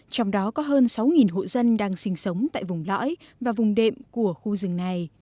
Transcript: trong đó có hơn sáu hộ dân đang sinh sống tại vùng lõi và vùng đệm của khu rừng này